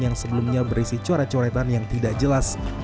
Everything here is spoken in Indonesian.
yang sebelumnya berisi coret coretan yang tidak jelas